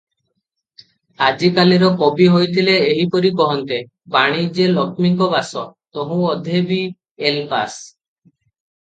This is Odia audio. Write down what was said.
ଆଜିକାଲିର କବି ହୋଇ ଥିଲେ, ଏହିପରି କହନ୍ତେ -''ବାଣିଜ୍ୟେ ଲକ୍ଷ୍ମୀଙ୍କ ବାସ, ତହୁଁ ଅଧେ ବି ଏଲ୍ ପାଶ''